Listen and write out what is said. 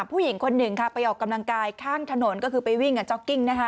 ผู้หญิงคนหนึ่งค่ะไปออกกำลังกายข้างถนนก็คือไปวิ่งกับจ๊อกกิ้งนะคะ